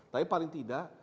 tapi paling tidak